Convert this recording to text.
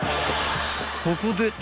［ここで］